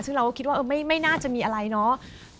ซึ่งเราก็คิดว่าไม่น่าจะมีอะไรเนาะ